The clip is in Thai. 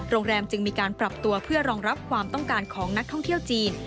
โรงแรมจึงมีการปรับตัวเพื่อรองรับความต้องการของนักท่องเที่ยวจีน